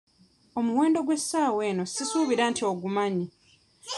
Omuwendo gw'essaawa eno sisuubira nti ogumanyi.